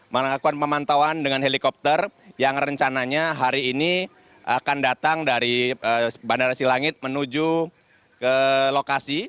melakukan pemantauan dengan helikopter yang rencananya hari ini akan datang dari bandara silangit menuju ke lokasi